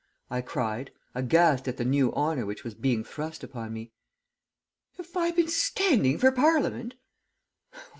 I cried, aghast at the new honour which was being thrust upon me. 'Have I been standing for Parliament?'